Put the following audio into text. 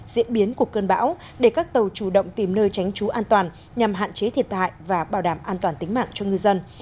diễn biến của cơn bão để các tàu chủ động tìm nơi tránh trú an toàn nhằm hạn chế thiệt hại và bảo đảm an toàn tính mạng cho ngư dân